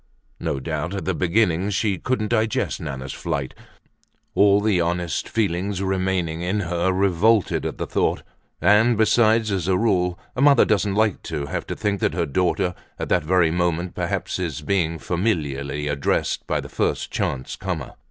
No doubt at the beginning she couldn't digest Nana's flight. All the honest feelings remaining in her revolted at the thought, and besides, as a rule a mother doesn't like to have to think that her daughter, at that very moment, perhaps, is being familiarly addressed by the first chance comer.